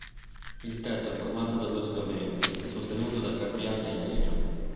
Il tetto è formato da due spioventi e sostenuto da capriate in legno.